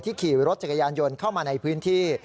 ขี่รถจักรยานยนต์เข้ามาในพื้นที่